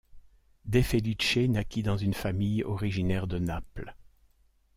De Felice naquit dans une famille originaire de Naples.